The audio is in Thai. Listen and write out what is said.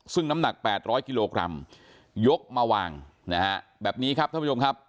ซึ่งน้ำหนัก๘๐๐กิโลกรัมยกมาวางนะฮะแบบนี้ครับท่านผู้ชมครับ